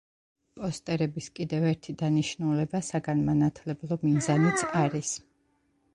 პოსტერების კიდევ ერთი დანიშნულება საგანმანათლებლო მიზანიც არის.